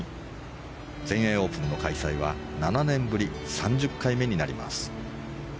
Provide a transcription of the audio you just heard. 全英オープンの開催は７年ぶり３０回目になります。